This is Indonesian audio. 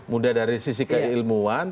mudah dari sisi keilmuan